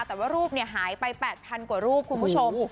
แต่ว่ารูปหายไป๘๐๐กว่ารูปคุณผู้ชม